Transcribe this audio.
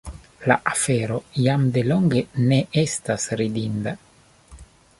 la afero jam delonge ne estas ridinda.